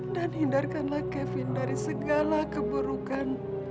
dan hindarkanlah kevin dari segala keburukan